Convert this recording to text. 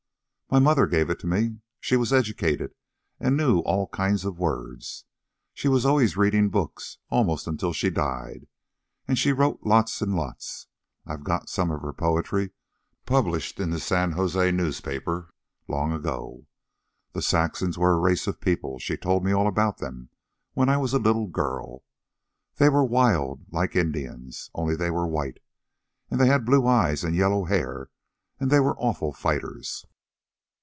"My mother gave it to me. She was educated, and knew all kinds of words. She was always reading books, almost until she died. And she wrote lots and lots. I've got some of her poetry published in a San Jose newspaper long ago. The Saxons were a race of people she told me all about them when I was a little girl. They were wild, like Indians, only they were white. And they had blue eyes, and yellow hair, and they were awful fighters."